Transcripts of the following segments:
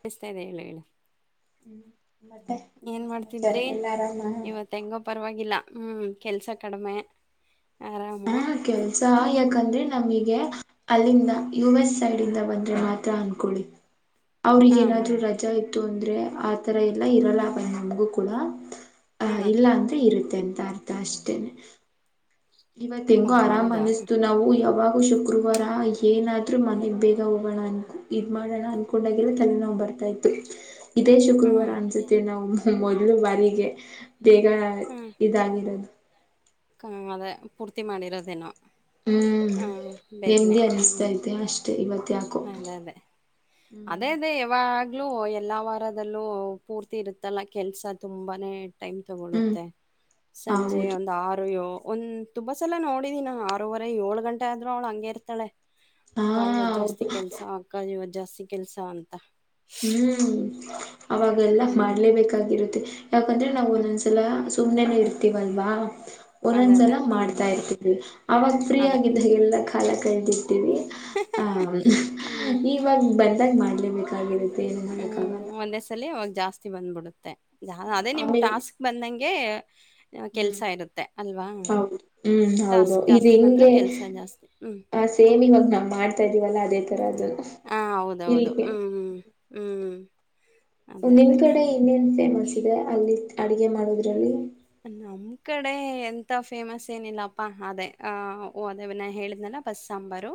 ಕಳ್ತಾ ಇದೆ ಹೇಳ ಹೇಳ ಹ್ಮ್ ಮತ್ತೆ ಏನ್ ಇನ್ನೇನ್ ಸಮಾಚಾರ ಮಾಡ್ತಿದ್ರಿ ಎಲ್ಲ ಆರಾಮ ಇವತ್ ಹೆಂಗೋ ಪರವಾಗಿಲ್ಲ ಹು ಕೆಲ್ಸ ಕಡಿಮೆ ಆರಾಮು ಹಾ ಕೆಲ್ಸ ಯಾಕಂದ್ರೆ ನಮಗೆ ಅಲ್ಲಿಂದ ಯು ಎಸ್ ಸೈಡ್ ಇಂದ ಬಂದ್ರೆ ಮಾತ್ರ ಅನ್ಕೊಳ್ಳಿ ಅವ್ರಗ ಹಾ ಹಾ ಏನಾದ್ರು ರಜಾ ಇತ್ತು ಅಂದ್ರೆ ಆ ತರ ಎಲ್ಲ ಇರಲ್ಲ ಅವ ನಮಗು ಕೂಡ ಅ ಹಾ ಇಲ್ಲ ಅಂದ್ರೆ ಇರುತ್ತೆ. [unintelligible] ಅಂತ ಅರ್ಥ ಅಷ್ಟೇನೆ ಇವತ್ ಓ ಹೆಂಗೋ ಆರಾಮ್ ಹೌದಾ ಅನಿಸ್ತು ನಾವು ಯಾವಾಗೂ ಶು ಗುರುವಾರ ಏನಾದ್ರೂ ಮನೆಗ್ ಬೇಗ ಹೋಗೋಣ ಅನ್ಕೋ ಇದ್ ಮಾಡೋಣ ಅನ್ಕೊಂಡಾಗಿಲ್ಲ ತಲೆನೋವ ಬರ್ತಾ ಇತ್ತು. [inaudible] ಇದೇ ಶುಕ್ರವಾರ ಹ್ಮ್ ಅನ್ಸುತ್ತೆ ನಾವು ಮೊದ್ಲು ಬಾರಿಗೆ ಬೇಗ ಇದಾಗಿರೋದು. ಹ ಅದೇ ಪೂರ್ತಿ ಮಾಡಿರೊದೇನೊ. ಹ್ಮ್ ನೆಮ್ಮದಿ ಹ್ಮ್ ಅನ್ನಿಸ್ತೈತೆ ಅಷ್ಟೆ ಇವತ್ ಯಾಕೋ. ಅದೇ ಅದೇ ಹ್ಮ್ ಅದೇ ಅದೇ ಯಾವಾಗ [unintelligible] ಎಲ್ಲಾ ವಾರದಲ್ಲೂ ಪೂರ್ತಿ ಇರುತ್ತಲ್ಲ ಕೆಲ್ಸ ತುಂಬಾನೇ ಟೈಮ್ ಹ್ಮ್ ತಗೊಳ್ಳುತ್ತೆ ಸಂಜೆ ಹೌದು ಒಂದು ಆರು ಅಯ್ಯೋ ಒಂದ್ ತುಂಬಾ ಸಲ ನೋಡಿದೆನಿ ಆರೂವರೆ ಏಳು ಗಂಟೆ ಆದ್ರೂ ಅವ್ಳು ಹಂಗೆ ಇರ್ತಾಳೆ. ಹಾ ಅಕ್ಕ ಇವತ್ತು ಜಾಸ್ತಿ ಹೌದು ಕೆಲ್ಸ ಅಕ್ಕ ಇವತ್ ಜಾಸ್ತಿ ಕೆಲ್ಸ ಅಂತ. ಹ್ಮ್ ಅವಾಗೆಲ್ಲ ಹ್ಮ್ ಮಾಡ್ಲೇಬೇಕಾಗಿರುತ್ತೆ. ಯಾಕಂದರೆ ನಾವು ಒಂದೊಂದ್ ಸಲ ಸುಮ್ಮನೆ ಇರ್ತೀವಿ ಅಲ್ವಾ. ಅದೇ ಒಂದೊಂದ್ಸಲ ಅದೇ ಹ್ಮ್ ಮಾಡ್ತಾ ಇರ್ತೀವಿ ಅವಾಗ ಫ್ರೀ ಅದೇ ಆಗಿದ್ದಾಗಲ್ಲ ಕಾಲ ಕಳ್ದಿರ್ತೀವಿ ಹ ಹ್ಮ್ ಇವಾಗ ಬಂದಾಗ ಮಾಡ್ಲೇಬೇಕಾಗಿರುತ್ತೆ. ಏನು ಹ್ಮ್ ಮಾಡಕ್ಕಾಗಲ್ಲ ಒಂದೇ ಸಲ ಅವಾಗ ಜಾಸ್ತಿ ಬಂದ್ಬಿಡುತ್ತೆ ಅದೇ ನಿಮ್ ಆಮೇಲೆ ಟಾಸ್ಕ್ ಬಂದಂಗೆ ಕೆಲ್ಸ ಹ್ಮ್ ಇರುತ್ತೆ ಅಲ್ವಾ ಹೌ ಹ್ಮ್ ಹೌದು ಟಾಸ್ಕ್ ಇದು ಜಾಸ್ತಿ ಬಂದ್ರೆ ಹಿಂಗೆ ಕೆಲ್ಸ ಜಾಸ್ತಿ ಹ್ಮ್ ಹ ಸೇಮ್ ಇವಾಗ ನಾವ್ ಮಾಡ್ತಾ ಇದ್ದಿವಲ್ಲಾ ಅದೇ ತರ ಅದು ಹಾ ಹೌದೌದು ಇಲ್ಲಿಗೆ ಹ್ಮ್ ಹ್ಮ್ ಹ್ಮ್ ಅದೇ ನಿಮ್ ಅದೇ ಕಡೆ ಇನ್ನೇನ್ ಫೇಮಸ್ ಇದೆ ಅಲ್ಲಿ ಅಡುಗೆ ಮಾಡೋದ್ರಲ್ಲಿ ನಮ್ ಕಡೆ ಎಂತಾ ಫೇಮಸ್ ಏನಿಲ್ಲಪ್ಪಾ ಅದೇ ಅ ಅದೇ ನಾ ಹೇಳಿದ್ನಲ್ಲ ಬಸ್ಸಾಂಬರು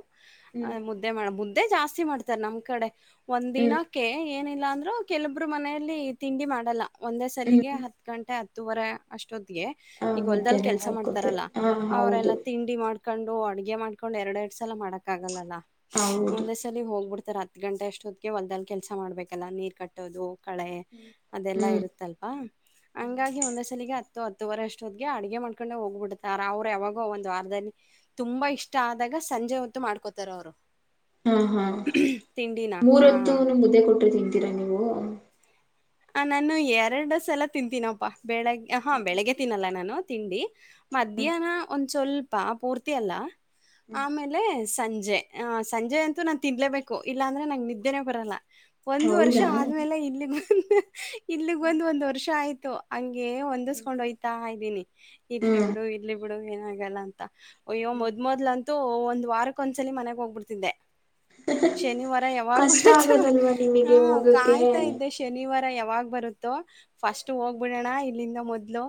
ಅ ಹ್ಮ್ ಮುದ್ದೆ ಮಾಡ ಮುದ್ದೆ ಜಾಸ್ತಿ ಮಾಡ್ತಾರೆ ನಮ್ ಕಡೆ ಒಂದ್ ಹ್ಮ್ ದಿನಕ್ಕೆ ಏನಿಲ್ಲ ಇಲ್ಲ ಅಂದ್ರು ಕೆಲವಬ್ರು ಮನೆಯಲ್ಲಿ ತಿಂಡಿ ಮಾಡಲ್ಲ ಒಂದೇ ಸಲಿಗೆ ಹ್ಮ್ ಹತ್ ಗಂಟೆ ಹತ್ತೂವರೆ ಜೊತೆಗೆ ಆ ಈಗ ಹೊಲ್ದಲ್ ಮುದ್ದೆನೆ ಕೆಲ್ಸ ಮಾಡ್ಕೊತೇ ಮಾಡ್ತಾರಲ್ಲಾ ಹಾ ಹೌದು ಅವ್ರಲ್ಲಾ ತಿಂಡಿ ಮಾಡ್ ಕೊಂಡು ಅಡುಗೆ ಮಾಡ್ಕೊಂಡ್ ಎರಡ್ ಎರಡ್ ಸಲ ಮಾಡಕ ಆಗಲ್ಲಾ ಅಲಾ ಹೌದು ಒಂದೇ ಸಲ ಹೋಗ್ಬಿಡ್ ರಾತ್ರಿ ಹತ್ತು ಗಂಟೆ ಅಷ್ಟುದ್ಗೆ ಹೊಲದಲ್ಲಿ ಕೆಲಸ ಮಾಡ್ಬೇಕಲ್ಲ ನೀರ್ ಕಟ್ಟೋದು ಕಳೆ ಅದೆಲ್ಲಾ ಹ್ಮ್ ಇರುತ್ತಲ್ವಾ ಹಂಗಾಗಿ ಒಂದೇ ಸಲಿಗೆ ರಾತ್ರಿ ಹತ್ತುವರೆ ಅಷ್ಟೊದಗೆ ಅಡ್ಗೆ ಮಾಡ್ಕೊಂಡೆ ಹೋಗ್ಬಿಡ್ತಾರ ಅವ್ರು ಯಾವಾಗೋ ಒಂದು ವಾರದಲ್ಲಿ ತುಂಬಾ ಇಷ್ಟ ಆದ ಯಾಕ ಸಂಜೆ ಹೊತ್ತು ಮಾಡ್ಕೋತಾರ ಅವ್ರು ಹಾ ಹಾ ಮೂರ ಹಾ ಹೊತ್ತು ಮುದ್ದೆ ಕೊಟ್ಟರು ತಿಂತೀರಾ ನೀವು? ಆ ನಾನು ಎರಡು ಸಲ ತಿಂತೀನಪ್ಪಾ. ಬೆಳಗ್ಗೆ ಹಾ ಬೆಳಿಗ್ಗೆ ತಿನ್ನಲ್ಲ ನಾನು ತಿಂಡಿ ಮಧ್ಯಾಹ್ನ ಒಂದ್ ಸ್ವಲ್ಪ [unintelligible] ಪೂರ್ತಿ ಅಲ್ಲ ಆಮೇಲೆ ಸಂಜೆ ಆ ಸಂಜೆ ಅಂತೂ ನಾನ್ ತಿನ್ಲೇಬೇಕು ಇಲ್ಲಾಂದ್ರೆ ನಂಗೆ ನಿದ್ದೆನೆ ಬರಲ್ಲ. ಒಂದ್ ವರ್ಷ ಹೌದಾ ಆದ್ಮೇಲೆ ಇಲ್ಲಿಗ್ ಬಂದ ಇಲ್ಲಿಗ್ ಬಂದ್ ಒಂದ್ ವರ್ಷ ಆಯ್ತು ಹಂಗೆ. ಏ ಹೊಂದಿಸ್ಕೊಂಡ್ ಹೊಯ್ತಾ ಇದ್ದೀನಿ ಇರ್ಲಿ ಹ್ಮ್ ಬಿಡು ಇರ್ಲಿ ಬಿಡು ಏನಾಗಲ್ಲ ಅಂತ. ಅಯ್ಯೋ ಮೊದಲ್ಮೊದಲ್ ಅಂತೂ ಒಂದ್ ವಾರಕ್ಕೊಂದ್ಸಲಿ ಮನೆಗ್ ಹೋಗ್ಬಿಡ್ತಿದ್ದೆ. ಶನಿವಾರ ಯಾವಾಗ ಕಷ್ಟ ಬರತ್ತ ಆಗದಲ್ವಾ ಹಾ ನಿಮಗೆ ಹೋಗಕ್ಕೆ ಕಾಯ್ತಾ ಇದ್ದೆ ಶನಿವಾರ ಯಾವಾಗ್ ಬರುತ್ತೋ ಫಸ್ಟ್ ಹೋಗ್ಬಿಡೋಣ ಇಲ್ಲಿಂದ ಮೊದ್ಲು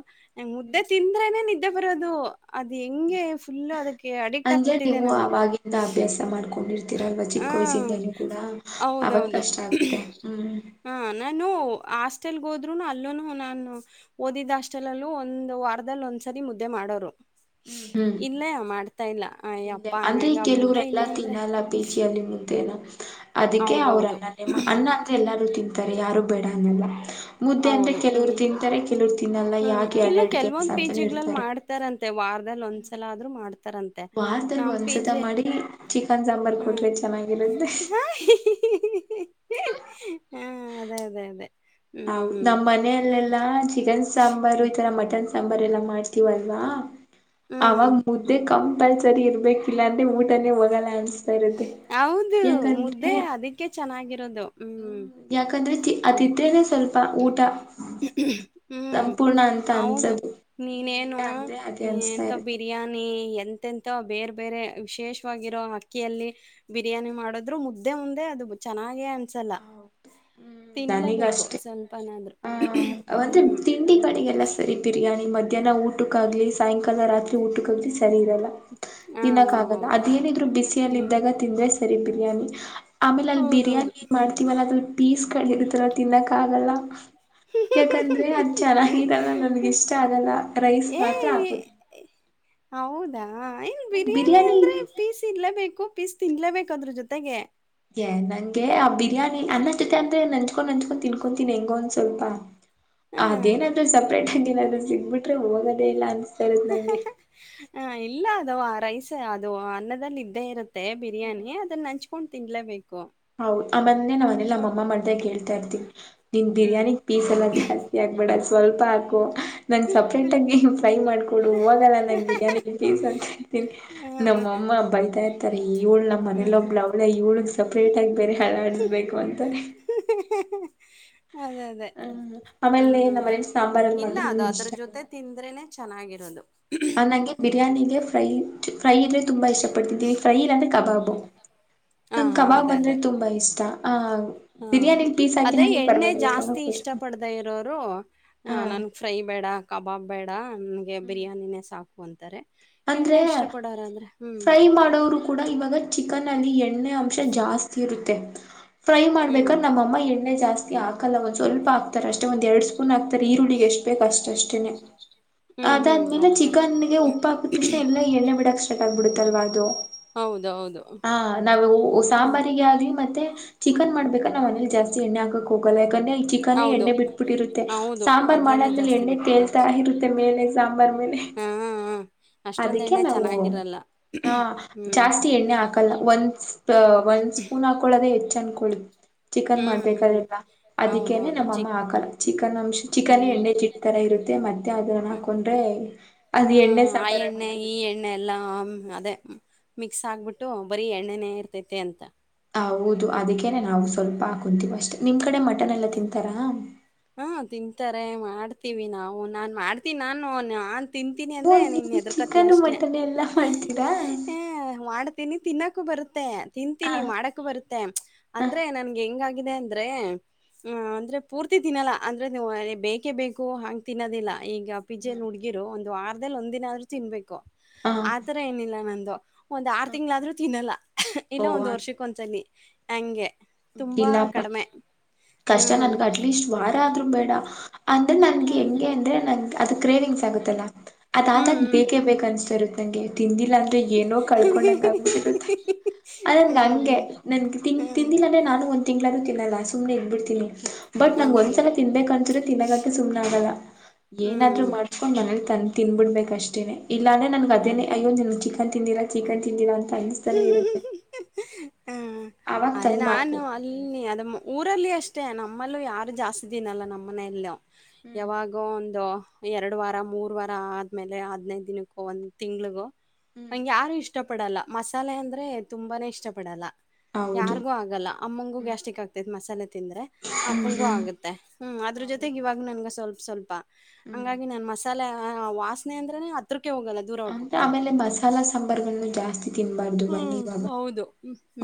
ಮುದ್ದೆ ತಿಂದ್ರೆನೆೆ ನಿದ್ದಿ ನಿದ್ದೆ ಬರೋದು ಅದು ಹೆಂಗೆ ಫುಲ್ ಅದಕ್ಕೆ ಅಡಿಕ್ಟ್ ಆಗಿ ಅಂದ್ರೆ ಬಿಟ್ಟಿದ್ದೆ ನೀವು ನಾನು. ಆವಾಗಿಂದ ಅಭ್ಯಾಸ ಮಾಡ್ಕೊಂಡಿರ್ತೀರಲ್ವಾ ಚಿಕ್ಕ ವಯಸ್ಸಿಂದನೂ ಕೂಡ ಅವಾಗ ಹೌದೌದು ಕಷ್ಟ ಆಗುತ್ತೆ ಹ್ಮ್ ಹ ನ ನೂ ಹಾಸ್ಟೆಲ್ ಹೋದ್ರುನು ಅಲ್ಲೂ ನಾನು ಓದಿದ್ದ ಹಾಸ್ಟಲ್ಲಲ್ಲು ಒಂದು ವಾರದಲ್ಲಿ ಒಂದ್ಸಲ ಮುದ್ದೆ ಮಾಡೋರು ಇಲ್ಲ ಮಾಡ್ತಾ ಇಲ್ಲ. ಇಲ್ಲ ಅಯ್ಯಪ್ಪಾ ಅಂದ್ರೆ ನಂಗ ಆ ಮುದ್ದೆ ಇಲ್ಲ ಕೆಲವರೆಲ್ಲಾ ಅಂದ್ರೆ ತಿನ್ನಲ್ಲ ಪೇಚಿಯಲ್ಲಿ ಅದಕ್ಕೆ ಹೌದೌದು ಅವ್ರನ್ನ ನಿಮ್ಮ ಅನ್ನ ಅಂತ ಎಲ್ಲಾರು ತಿಂತಾರೆ ಯಾರು ಬೇಡ ಅನ್ನಲ್ಲ ಮುದ್ದೆ ಅಂದ್ರೆ ಹೌದು ಹ್ಮ್ ಕೆಲವ್ರು ತಿಂತಾರೆ ಕೆಲವರು ತಿನ್ನಲ್ಲ ಹ್ಮ್ ಯಾಕೆ ಇಲ್ಲ ಎರಡೆರಡು ಕೆಲ್ಸ ಅಂತಲ ಇರ್ತಾರೆ ದಲ್ಲಿ ಒಂದ್ಸಲ ಆದ್ರರು ಮಾಡ್ ತರಂತೆ ವಾರದಲ್ಲಿ ಒಂದ್ಸತ ನಾಮಪಿಜೆ ಮಾಡಿ ಚಿಕನ್ ಸಾಂಬಾರ್ ಕೊಟ್ರೆ ಚೆನ್ನಾಗಿರುತ್ತೆ ಹ್ಮ ಹಾ ಅದೇ ಅದೇ ಅದೇ ಹೌದು ಹ್ಮ್ ನಮ್ ಮನೆಯಲ್ಲೆಲ್ಲಾ ಚಿಕನ್ ಸಾಂಬಾರು ಹ್ಮ್ ಈತರ ಮಟನ್ ಸಾಂಬಾರ್ು ಂಬ ಎಲ್ಲ ಮಾಡ್ತವಲ್ವಾ ಹ್ಮ್ ಅವಾಗ ಮುದ್ದೆ ಕ ಸರಿ ಇರ್ಬೇಕಿಲ್ಲ ಅಂದೆ ಊಟನೇ ಹೋಗಲ್ಲ ಅನ್ ಹೌದು ಮುದ್ದೆ ಅದಿಕ್ಕೆ ಚೆನ್ನಾಗಿರೋದು ಹ್ಮ್ ಜ ಅ ಹ್ಮ್ ಆದಿತ್ಯನ ಸ್ವಲ್ಪ ಊಟ ಹ್ಮ್ ಸಂಪೂರ್ಣ ಅಂತ ಅನ್ಸದು್ಮ ಇಲ್ಲ ಅಂದ್ರೆ ಅದೇ ಅನ್ಸ್ತಾ ಹಂತ ಇರುತ್ತೆ ಬಿರಯಾನಿ ಎಂತೆಂತ ಬೇರೆ ಬೇರೆ ವಿಶೇಷವಾಗಿರೋ ಅಕ್ಕಿಯಲ್ಲಿ ಬಿರಿಯಾನಿ ಮಾಡದ್ರು ಮುದ್ದೆ ಮುಂದೆ ಅದು ಚೆನ್ನಾಗೆ ಅನ್ಸಲ್ಲ ಹೌದು ಹ್ಮ್ ತಿನ್ಲೇಬೇಕು ಸ್ವಲ್ಪಏನಾದ್ರು ಂದ್ರೆ ತಿಂಡಿ ಕಡೆಿಗೆಲ್ಲ ಸರಿ ಬಿರಿಯಾನಿ ಮೆ ಮಧ್ಯಾಹನ ಊಟಕ್ಕಾಗಗ್ಲಿ ಸಾಯಂಕಾಲ ರಾತ್ರಿ ಊಟಕ್ಕಾಗಗ್್ಲಿ ಸರಿ ಇರಲ್ಲ ಹಾ ತಿಿನಕ್ಕ ಆಗಲ್ಲ ಹೌದು ಅದೇನಿದ್ರು ಬಿಸಿಯಲ್ಲಿ ಹ್ಮ್ ಇದಿದ್ದಾಗ ತಿಂದ್ರೆ ಸರಿ ಬಿರಿಯಾನಿ ಆಮೇಲೆ ಅಲ್ಲಿ ಹೌದೌದು ಬಿರಿಯಾನಿ ಏನ್ ಮಾಡ್ತೀವಲ್ಲ ಅದ್ರಲ್ಲಿ ಪೀಸ್ ಕಡಿಿರ್ತ್ತಲ್ಲ ತಿನ್ನಕ್ಕ ಆಗಲ್ಲ ಯಾಕಂದ್ರೆ ಅದು್ ಚೆನ್ನಾಗಾಗಿದೆಲ್ಲ ನನ್ಗೆ ಇಷ್ಟ ಆಗಲ್ಲ ರೈಸ್ ಏ ಮಾತ್ರ ಹಾಕೋುದ ಹೌದಾ ಇನ್ ಬಿರಿಯಾನಿ ಅಂದ್ರೆ ಪೀಸ್ ಇಲೇಬೇಕು ಪೀಸ್ ತಿನ್ಲೇಬೇಕಾದ್ರೂ ಜೊತೆಗೆ ನಂಗೆ ಆ ಹ್ಮ ಬಿರಿಾನಿ ಅನ್ನ ಜೊತೆ ಅಂದ್ರೆ ನಂಚ್ಕೊಂಡ್ ನಂಚ್ಕೊಂಡ್ ತಿನ್ಕೊತೀನಿ ಹೆಂಗೊ ಒಂದ್ ಸ್ವಲ್ಪ ಹಾ ಅದೇನಾದ್ೂ ಸಪ್ರೇಟ್ ಆಗನಾದ್ರರು ಸಿಗ್ಬಿಟ್ರೆ ಹೋಗೋದೇ ಇಲ್ಲ ಅನ್ಸ ಹ ಇಲ್ಲ ಅದು ಆ ರೈಸ್ ಅದು ಅನ್ನದಲ್ಲಿ ಇದ್ದೇ ಇರುತ್ತೆ ಮತ್ತೆ ಬಿರಿಯಾನಿ ಅದನ್ನ ಹಂಚ್ಕೊಂಡ್ ತಿನ್ಲೇಬೇಕು ಹೌದು ಆ ಮಂದೇ ನಾವ್ನೆಲ್ಲ ನಮ್ಮ ಮಾಡ್ದಾಗ ಹೇಳ್ತಾ ಇರ್ತೀನಿ ನಿನ್ ಹ್ಮ್ ಬಿರಿಯಾನಿ ಪೀಸ್ ಎಲ್ಲ ಜಾಸ್ತಿ ಆಕ್ಬೇಡ ಸ್ವಲ್ಪ ಹಾಕು ನಂ್ ಸಪ್ರೇಟ್ ಆಗಿ ಫ್ರೈ ಮಾಡ್ಕೊಡು ಇವಾಗಲ್ಲಾ ನಂಗ್ ಬಿರಿ್ಯಾನಿ ಪೀಸ್ ಅಂತ ಿ ಹ ನಮ್ಮಮ್ಮ ಬೈತಾ ಇರ್ತಾರೆ ಇವ್ಳು ನಮ್ಮ ಮನೇಲಿ ಹ್ಮ್ ಒಬ್ಳ ಅವ್ಳ ಇವಳು ಬೇಟಾಗಿ ಬೇರೆ ಹಳ ಆಡಿಸಬೇಕು ಅಂತಾರೆ ಅದೇ ಅದೇ ಹ್ಮ್ ಆಮೇಲೆ ಹ್ಮ್ ನಮ್ಮ ಮನೇಲಿ ಸಾಂಬಾರಲ್ಲಿ ಇಲ್ಲ ಮಾಡ್ರೆ ಅದು ನನ್ಗೆ ಅದ್ರ ಇಷ್ಟ ಜೊತೆ ಆಗಲ್ಲ ತಿಂದ್ರೇನೆ ಚೆನ್ನಾಗಿತ್ತು ಆ ನಂಗೆ ಬಿರಿಯಾನಿಗೆ ಫ್ರೈ ಫ್ರೈ ಅಂದ್ರೆ ತುಂಬಾ ಇಷ್ಟ ಪಡ್ತಿದ್ದೀನಿ ಫ್ರೈ ಇಲ್ಲಂದ್ರೆ ಕಬಾಬು ಹಾ ನಂಗ ಹಾ ಕಬಾಬ್ ಅದೇ ಬಂದ್ರೆ ಅದೇ ತುಂಬಾ ಇಷ್ಟ ಆ ಹಾ ಬಿರಿಯಾನಿಲಿ ಪೀಸ್ ಹಾಕಿಲ್ಲ ಅದೇ ಅಂದ್ರೂ ಎಣ್ಣೆ ಪರವಾಗಿಲ್ಲ ಕಬಾಬ್ ಜಾಸ್ತಿ ಕೊಟ್ಟ ಇಷ್ಟ ಪಡ್ದ ಇರೋರು ಹ ನನ್ ಫ್ರೈ ಬೇಡ ಕಬಾಬ್ ಬೇಡ ನನ್ಗೆ ಬಿರಿಯಾನಿನೇ ಸಾಕು ಅಂತಾರೆ ಎಣ್ಣೆ ಅಂದ್ರೆ ಇಷ್ಟ ಪಡೋರಾದ್ರೆ ಹ್ಮ್ ಫ್ರೈ ಮಾಡೋರು ಕೂಡ ಇವಾಗ ಚಿಕನ್ ಎಣ್ಣೆ ಅಂಶ ಜಾಸ್ತಿ ಇರುತ್ತೆ ಫ್ರೈ ಹ್ಮ್ ಮಾಡ್ಬೇಕ್ರ ನಮ್ಮಮ್ಮ ಎಣ್ಣೆ ಜಾಸ್ತಿ ಾಕಲ್ಲಂದಂದು ಸ್ವಲ್ಪ ಹಕ್ತಾರೆ ಅಷ್ಟೆಂದ ಎಡು ಸ್ಪೂನ್ ಹಾಕ್ ಈರುಳ್ಳ ಎಷ್ಟ ಬೇಕ ಅಷ್ಟಷ್ಟೇ ಹ್ಮ್ ಹ್ಮ್ ಅದಾದ್ಮೇಲೆ ಹೌದಾ ಚಿಕನ್ಗೆ ಉಪ್ಪ ಹಾಕ ಎ್ಣೆ ಬಿಡಕ್ ಸ್ಟ್ರಕ್ ಆಗ್ಬ ಬಿಡುತ್ತಲ್ವಾ ಅದು ಹೌದು ಹೌದು ಹಾ ನಾವವು ಹ್ಮ್ ಸಾಂಬಾರಿಗೆ ಯಾವವು್ದಿ ಮತ್ತೆ ಚಿಕನ್ ಮಾಡ್ಬೇಕ ನಾವವು್ನೇಲಿ ಜಾಸ್ ಎಣ್ಣ ಹಾಕಕ್ ಹೋಗಲ್ಲ ಚಿಕನ್ ಹೌದು ಎಣ್ಣೆ ಬಿಟ್ಬಿಟ್ಟಿರುತ್ತೆ ಹೌದು ಸಾಂಬಾರ್ ಅದ್ರಲ್ಲೇ ಮಾಡಾದ್ಮೇಲೆ ಜಾಸ್ತಿ ಎಣ್ಣೆ ತೇಲ್ ತಾ ಬಿಟ್ಕೊಳೋದು ಇರುತ್ತೆ ಮೇಲೆ ಸಾಂಬಾರ್ ಹಾ ಹಾ ಅಷ್ಟೊಂದು ಎಣ್ಣೆ ಅದಕ್ಕೆಲ್ಲ ಹವ ಚೆನ್ನಾಗಿರಲ್ಲ ಹ ಹ್ಮ್ ಜಾಸ್ತಿ ಎಣ್ಣೆ ಹಾಕಲ್ಲ ಒಂದ್ ಒಂದ್ ಸ್ಪೂನ್ ಹಾಕಳದೆ ಹೆಚ್ಚು ಚಂದಕೊಳ್ಳಿ ಚಿಕನ್ ಹ್ಮ್ ಹ್ಮ್ ಮಾಡ್ಬೇಕಾದಿಲ್ಲ ಅದಕ್ಕೇನೆ ಹೌದೌದು ನಮ್ಮಮ್ಮ ಚಿಕ್ ಹಾಕಲ್ಲ ಚಿಕನ್ ಅಂಶ ಚಿಕನ್ ಹ್ಮ್ ಎಣ್ಣೆ ಚಿಟ್ತರ ಇರ ಮತ್ತೆ ಅದ ಹಾಕೊಂಡ್ರೆ ಅದು ಎಣ್ಣೆ ಸಾಂಬಾರ ಎ ಈ ಎಣ್ಣೆ ಎಲ್ಲಾ ಅದೇ ಮಿಕ್ಸ್ ಆಗ್ಬಿಟ್ಟು ಬರೀ ಎಣ್ಣೆನ ಇರ್ತೈತಿ ಅಂತ ಹ ಹೌದು ಅದಕ್ಕೇನೆ ನಾವು ಸ್ವಲ್ಪ ಕುಂತಿವಿ ಅಷ್ಟೇ ನಿಮ್ ಕಡೆ ಮಳೆ. ಮಟನ ಎಲ್ಲ ತಿಂತಾರಾ. ತಾರೆ ಮಾಡ್ತೀವಿ ನಾವು ನಾನ್ ಮಾಡ್ತಿನ್ ನಾನು ತಿಂತೀನಿ ಓ ಅಂದ್ರೆ ನೀನ್ ನೀವು ಹೆದ್ರಕತಿ ಚಿಕನ್ ಅಷ್ಟೇ. ಮಟನ್ ಎಲ್ಲ ಹ ಮಾಡ್ತೀರಾ ಹ ಮಾಡ್ತೀನಿ ತಿನ್ನಕ್ಕೂ ಬರು ತ್ತೆ ಹ ತಿಂತೀನಿ ಮಾಡಕ್ ಬರುತ್ತೆ ಹ ಅಂದ್ರೆ ನನ್ಗೆ ಹೆಂಗಾಗಿದೆ ಅಂದ್ರೆ. ಹ ಅಂದ್ರೆ ಪೂರ್ತಿ ತಿನ್ನಲ್ಲ ಅಂದ್ರೆ ನೀವು ಬೇಕೇ ಬೇಕು ಹಾಂಗ್ ತಿನ್ನೋದಿಲ್ಲ. ಈಗ ಪಿಜೆಲ್ಲಿ ಹುಡುಗಿರು ಒಂದು ವಾರದಲ್ಲಿ ಒಂದಿನ ಆದ್ರೂ ತಿನ್ಬೇಕು ಹ ಹ. ಆತರ ಏನಿಲ್ಲ ನನ ಒಂದ್ ಆರು ತಿಂಗಳಾದ್ರೂ ತಿನ್ನಲ್ಲ ಓ ಇಲ್ಲ ಒಂದ್ ವರ್ಷಕ್ಕ ಒಂದ್ಸಲಿ ಹಂಗೆ. ತುಂಬಾ ಇಲ್ಲಪ್ಪ ಕಡಮೆ. ಕಷ್ಟ ನನ್ಗ ಅಟ್ಲೀಸ್ಟ್ ವಾರ ಆದ್ರೂ ಬೇಡ ಅಂದ್ರೆ ನನ್ಗೆ ಹೆಂಗೆ ಅಂದ್ರೆ ನನ್ ಅದು ಕೇವಿಂಗ್ಸ್ ಆಗುತ್ತಲ್ಲ. ಅದಾದಾಗ ಹ್ಮ್ ಬೇಕೇ ಬೇಕ ಅನ್ಸ್ತಾ ಇರುತ್ತ ನಂಗೆ ತಿಂದಿಲ್ಲ ಅಂದ್ರೆ ಏನೋ ಹ್ಮ್ ಕಳ್ಕೊಂಡ್ಂಗ ಆಗ್ ಬಿಟ್ಟಿರುತ್ತೆ. ಅಲ್ ನನ್ಗೆ ಹ್ಮ್ ಹಂಗೆ ಹ್ಮ್ ನನ್ಗೆ ತಿನ್ ತಿಂದಿಲ್ಲಂದ್ರೆ ನಾನು ಒಂದ್ ತಿಂಗ್ಳಾದ್ರೂ ತಿನ್ನಲ್ಲಾ ಸುಮ್ನೆ ಇದ್ಬ ಬಿಡ್ತಿ. ನಿ ಬಟ್ ನಂಗ ಅದೇ ಅದೇ ಒಂದ್ಸಲ ತಿನ್ಬೇಕನ್ಸ್ರೆ ತಿನ್ನಾಗಂಟ ಸುಮ್ನ ಆಗಲ್ಲ. ಏನಾದ್ರು ಹ್ಮ್ ಮಾಡ್ಸ್ಕೊಂಡ್ ಮನೇಲಿ ತಂದ. ತಿಂದಬಿಡ್ಬೇಕ ಅಷ್ಟೇನೆ ಇಲ್ಲ ಅಂದ್ರೆ ನನ್ಗ ಅದೇ ಹ್ಮ್ ಅಯ್ಯೋ ನನ ಚಿಕನ್ ತಿಂದಿರ ಚಿಕನ್ ತಿಂದಿರಾ ಅಂತ. ಅನಸ್ತಾನೆ ಇರುತ್ತೆ. ಹ್ಮ್ ಅವಾಗ ಅದೇ ತಂದ್ ನಾನು ಮಾಡ್ಕೊಟ್ಬಿಡ್ತೇನೆ ಅಲ್ಲಿ ಅದಮು ಊರಲ್ಲಿ ಅಷ್ಟೇ ನಮ್ಮಲ್ಲೂ ಯಾರು ಜಾಸ್ತಿ ತಿನಲ್ಲ ನಮ್ಮನೆಯಲ್ಲೂ ಹ್ಮ್ ಯಾವಾಗೋ ಒಂದು. ಎರಡು ವಾರ ಮೂರ್ ವಾರ ಆದ್ಮೇಲೆ ಹದ್ನೈದು ದಿನಕ್ಕೂ ಒಂದ್ ತಿಂಗ್ಳಿಗೋ ಹ್ಮ್ ಹಂಗ ಯಾರು ಇಷ್ಟ ಇಷ್ಟ ಪಡಲ್ಲ ಮಸಾಲೆ ಅಂದ್ರೆ ತುಂಬಾನೇ ಇಷ್ಟ ಪಡಲ್ಲ. ಹೌದು ಯಾರಿಗೂ ಆಗಲ್ಲ ಅಮ್ಮಂಗೂ ಹ್ಮ್ ಗ್ಯಾಸ್ಟಿಕ್ ಆಗ್ತೈತಿ ಮಸಾಲೆ ತಿಂದ್ರೆ ಹ್ಮ್ ಆಪುಂಗು ಹ್ಮ್ ಆಗುತ್ತೆ ಹ್ಮ್ ಅದ್ರ ಹೌದು ಜೊತೆಗೆ ಇವಾಗ ನನ್ಗ ಸ್ವಲ್ಪ ಸ್ವಲ್ಪ. ಹ್ಮ್ ಹಂಗಾಗಿ ನಾನ್ ಮಸಾಲೆ ವಾಸನೆ ಅಂದ್ರನೆ ಹತ್ರಕ್. ಅಂದ್ರೆ ಆಮೇಲೆ ಮಸಾಲಾ ಸಾಂಬರ್ಗಳನು ಜಾಸ್ತಿ ತಿನ್ ಹ್ಮ್ ಹೌದು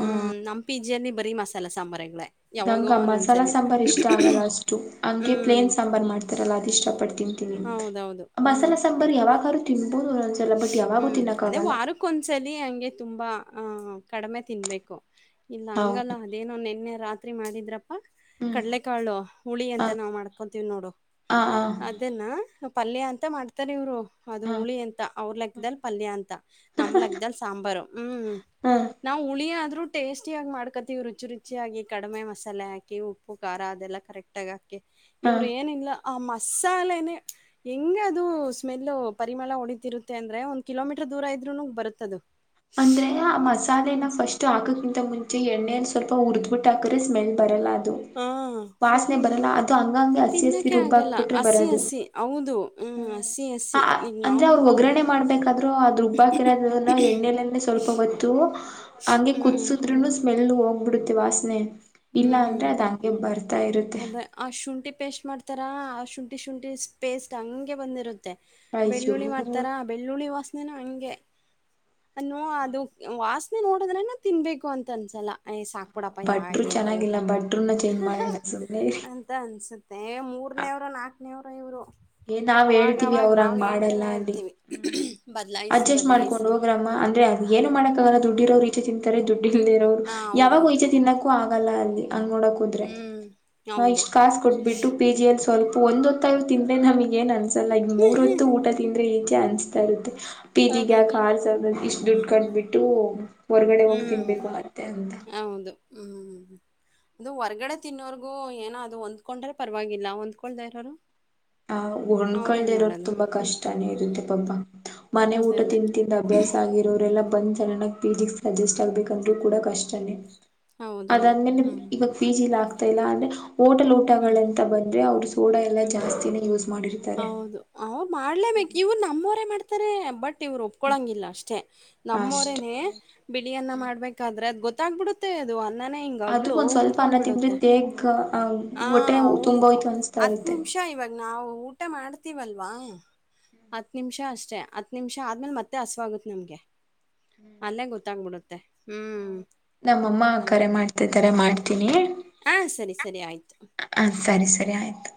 ಹ ನಮ್ ಪಿಜಿಯಲ್ಲಿ ಬರಿ ಮಸಾಲೆ ಸಾಂಬ್ರಗಳೇ. ನಂಗ ಯಾವಾಗೋ ಮಸಾಲ ಒನ್ನೊನ್ಸಲಿ ಸಾಂಬಾರ್ ಇಷ್ಟ ಆಗಲ್ಲ ಅಷ್ಟು ಹ್ಮ್. ತಿಂತಿನೀ ಹೌದೌದು ಹ್ಮ್ ಮಸಾಲ ಸಾಂಬಾರ ಯವಾಗಾರು ಹ್ಮ್ ಅದೇ ವಾರಕ್ಕೊಂದ್ಸಲಿ ಹಂಗೆ ತುಂಬಾ. ಹ ಕಡಿಮೆ ತಿನ್ಬೇಕು ಇಲ್ಲ ಹಂಗಲ್ಲ ಹೌದು ಅದೇನೋ ನಿನ್ನೆ ರಾತ್ರಿ ಮಾಡಿದ್ರ ಹ್ಮ್ ಕಡಲೆಕಾಳು ಹುಳಿ ಹ ಅಂತ ನಾವ್ ಮಾಡ್ಕೊಂತೀವ್ ನೋಡು ಹ ಅದನ್ನ. ಪಲ್ಯ ಅಂತ ಮಾಡ್ತಾರೆ ಇವರು ಅದು ಹ ಹುಳಿ ಅಂತ. ಅವ್ರ ಲೆಕ್ಕದಲ್ ಪಲ್ಯ ಅಂತ ನಮ್ ಲೆಕ್ಕದಲ್ ಸಾಂಬಾರು ಹ್ಮ್ ಹ ನಾವ ಹುಳಿ ಆದು ದ್ರೂ ಟೇಸ್ಟಿಯಾಗಿ ಮಾಡ್ಕೊತೀವಿ ರುಚಿ ರುಚಿಯಾಗಿ ಕಡಿಮೆ ಮಸಾಲೆ ಹಾಕಿ ಉಪ್ಪು ಖಾರ ಅದೆಲ್ಲ ಕರೆಕ್ಟಾಗಿ ಹಾ ಹ ಇವ್ರ ಏನಿಲ್ಲ. ಆ ಮಸಾಲೆನೆೇ ಹೆಂಗ ಅದು ಸ್ಮೆಲ್ ಪರಿಮಳ ಹೊಡತಿರುತ್ತ. ತ್ತೇಂದ್ರೆ ಒಂದ ಕಿಲೋಮೀಟರ್ ದೂರ ಇದ್ರುನುಗ್ ಬರುತ್ತದು. ಅಂದ್ರೆ ಆ ಹ್ಮ್ ಮಸಾಲೆನ ಹ್ಮ್ ಫಸ್ಟ್ ಹಾಕಕ್ಕಿಂತ ಮುಂಚೆ ಎಣ್ಣೆ ಸ್ವಲ್ಪ ಹುರ್ದಬಿಟ್ಟ ಹಾಕ್ರೆ ಸ್ಮೆಲ್ ಬರಲ್ಲ ಅದ ಹಾ ಫುಲ್ಲ ಹಂಗಂಗೆ ಹಸಿ ಹಸಿ ತಿನ್ನಕೆ ಆಗಲ್ಲ ರುಬ್ಬಾಕ್ಬಿಟ್ರೆ ಹಸಿ ಬರೋದು ಹಸಿ ಹೌದು. ಹ್ಮ್ಮ್ ಹ್ಮ್ ಹಸಿ ಆ ಹಸಿ ಈಗ್ ಅಂದ್ರೆ ನಾವ್. ಅವ್ರು ಒಗ್ಗರಣೆ ಮಾಡ್ಬೇಕಾದ್ರು ಅದು ರುಬ್ಬ ಹಾಕಿರೋದದಲ್ಲ ಎಣ್ಣೆಲಿ. ಸ್ವಲ್ಪ ಹೊತ್ತು ಹಂಗೆ ಹ್ಮ್ ಕುದಸುದ್ರುನು ಸ್ಮೆಲ್ ಹೋಗ್ಬಿಡುತ್ತೆ ವಾಸನೆ. ಇಲ್ಲ ಅಂದ್ರೆ ಹ್ಮ್ ಅದ್ ಹಂಗೆ ಬರ್ತಾ ಇರುತ್ತೆ ಅದೆ ಆ ಶುಂಠಿ ಪೇಸ್ಟ್ ಮಾಡ್ತಾರಾ. ಶುಂಠಿ ಶುಂಠಿ ಸ್ಪೇಸ್ಟ್ ಹಂಗೆ ಬಂದಿರು ತ್ತೆ ಅಯ್ಯೋ ಬೆಳ್ಳುಳ್ಳಿ ಮಾಡ್ತಾರಾ ಬೆಳ್ಳುಳ್ಳಿ ವಾಸನೆನು ಹಂಗೆ. ಅನ್ನು ಅದು ವಾಸನೆ ನೋಡದ್ರೇನೆ ತಿನ್ಬೇಕು ಅಂತ ಅನ್ಸಲ್ಲ. ಅಯ್ ಸಾಕ್ಬುಡಪ್ಪ ಯಾ ಭಟ್ರು ಏನ್. ತ ಊಟ ಚೆನ್ನಾಗಿಲ್ಲ ಭಟ್ರನ್ನ ಚೇಂಜ್ ಹ ಹ್ ಮಾಡೋಣ ಸುಮ್ನೆ ಇರಿ ಅಂತ ಅನ್ಸುತ್ತೆ ಮೂರನೇವರು ನಾಕು. ನವ್ರ ಇವ್ರು. ಏ ನಾವ್ ಹೇಳ್ತೀವಿ ಅವಾಗವಾಗ ಅವ್ರ ನಾವು ಹಂಗ್ ಮಾಡಲ್ಲ ಹೇಳ್ತಾನ ಅಲ್ಲಿ ಇರ್ತೀವಿ ಹ್ಮ್ ಬದ್ಲಾಯಿಸಿ ಅಡ್ಜಸ್ಟ್ ಮಾಡ್ಕೊಂಡ್ ಬದ್ಲಾಯಿಸಿ. ಹೋಗ್ರಮ್ಮ ಅಂದ್ರೆ ಅದ್ ಏನು ಮಾಡಕ್ಕಾಗಲ್ಲ ದುಡ್ಡಿರೋ ಇಚೆ ತಿಂತಾರೆ ದುಡ್ ಇಲ್ದಿರೋರು ಹಾ ಯಾವಾಗ ಹೌದೌದು. ಇಚೆ ತಿನ್ನಕ್ಕು ಆಗಲ್ಲ ಅಲ್ಲಿ. ಹಂಗ ನೋಡಕ್ ಹದ್ರೆ ಹ್ಮ್ ನಾ ಹೌದು. ಇಷ್ಟ್ ಕಸ್ ಕೊಟ್ಬಿಟ್ಟು ಪಿ ಜಿ ಅಲ್ಲಿ ಸ್ವಲ್ಪ ಒಂದ ಹೊತ್ ನಮಗ್ ಏನ್ ಅನ್ಸಲ್ಲ ಈಗ ಮೂರ್ ಹೊತ್ತು ಊಟ ತಿಂದ್ರೆ ಈಚೆ ಅನ್ಸ್ತಾ ಇರುತ್ತೆ. ಪೀಜಿಗೆ ಅದದು. ಕಾರ್ಸ ಇಷ್ಟ್ ದುಡ್ಡು ಕಂಡ್ಬಿಟ್ಟು. ಹೊರ್ಗಡೆ ಹೋಗ್ ಹ್ಮ್. ತಿನ್ಬೇಕು ಮತ್ತೆ ಅಂತ. ಹೌದು. ಹ್ಮ್ ಅದು ಹೊರ್ಗಡೆ ತಿನ್ನೋರ್ಗೂ ಏನ ಅದು ಹೊಂದ್ಕೊಂಡ್ರ ಪರವಾಗಿಲ್ಲ ಒಂದ್ಕೊಳ್ದೇ ಇರೋರು. ಆ ಒಣ್ಕಳ್ದ ಅವ್ರೇನ್ ಇರೋದು ಮಾಡೋದು ತುಂಬಾ ಹ್ಮ್ ಕಷ್ಟನೇ ಇತ್ತೆ ಪಪ. ಮನೆ ಅದೇ ಊಟ ಅದೇ. ತಿಂದ್ ತಿಂದ್ ಅಭ್ಯಾಸ ಆಗಿರೋರೆಲ್ಲ. ಬಂದ್ ಸಡನ್ ಫಿಜಿಕ್ಸ್ ಅಡ್ಜಸ್ಟ್ ಆಗ್ಬೇಕ್ ಅಂದ್ರು ಕೂಡ ಕಷ್ಟನೇ. ಹೌದೌದು ಅದಾದ್ಮೇಲೆ ಹ್ಮ್ ಇವಾಗ ಪಿ ಜಿ ಇಲ್ಲ ಆಗ್ತಾ ಇಲ್ಲ ಅಂದ್ರೆ. ಹೋಟೆಲ್ ಹ್ಮ್ ಉಟಗಳಂತ ಬಂದ್ರೆ ಅವರು ಸೋಡಾ ಎಲ್ಲ ಜಾಸ್ತಿ. ಹೌದು ಅವ್ ಮಾಡ್ಲೇಬೇಕು ಇವ್ರು ನಮ್ಮವರೇ ಮಾಡ್ತಾರೆ ಬಟ್. ಇವ್ರು ಒಪ್ಕೊಳಂಗಿಲ್ಲ ಅಷ್ಟೇ ಅಷ್ಟೆ ನಮ್ಮವರೇನೆ ಬಿಳಿಯನ್ನ ಮಾಡ್ಬೇಕಾದ್ರೆ ಗೊತ್ತ ಗೊತ್ತಾಗಬಿಡುತ್ತೆ ಅದು ಅನ್ನನ ಅದು ಹಿಂಗಗ್ಳ ಒಂದ್ ಸ್ವಲ್ಪ ಅನ್ನ ತಿಂದ್ರೆ ಊದ್ಕೊ್ಬಿಡುತ್ತೆ. ದೇಹಕ್ ಹ ಹೊಟ್ಟೆ ಹೌದು ತುಂಬೋಯ್ತು ಅನ್ಸ್ತಾ ಹತ್ ಇರುತ್ತೆ ನಿಮಿಷ ಇವಾಗ ನಾವು ಊಟ ಮಾಡ ವಲ್ವಾ ಹತ್ ನಿಮಿಷ ಅಷ್ಟೇ ಹತ್ ನಿಮಿಷ ಆದ್ಮೇಲೆ ಮತ್ತೆ ಹಸವಾಗುತ್ತೆ ನಮ್ಗೆ. ಅಲ್ಲೇ ಗೊತ್ತಾಗ್ಬಿಡುತ್ತೆ ಹ್ಮ್ ನಮ್ಮಮ್ಮ ಆ ಅದೇ ಕರೆ ಅದೇ. ಮಾಡ್ತಾ ಹ್ಮ್. ಇದ್ದಾರೆ ಮಾಡ್ತೀನಿ. ಆ! ಸರಿ, ಸರಿ ಆಯಿತು. ಹ ಸರಿ ಸರಿ ಆಯ್ತು.